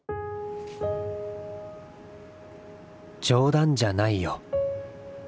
「冗談じゃないよ」